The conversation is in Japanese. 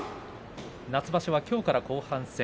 夏場所はきょうから後半戦。